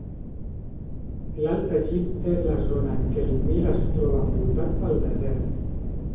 L'Alt Egipte és la zona en què el Nil es troba envoltat pel desert.